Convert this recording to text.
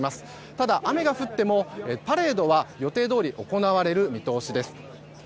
ただ、雨が降ってもパレードは予定どおり行われる見通しです。